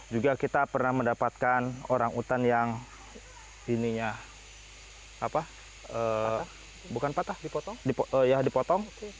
juga kita pernah mendapatkan orang hutan yang dipotong